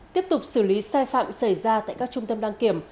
tiếp tục xử lý sai phạm xảy ra tại các trung tâm đăng kiểm